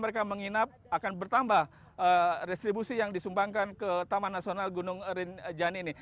mereka menginap akan bertambah restribusi yang disumbangkan ke taman nasional gunung rinjani ini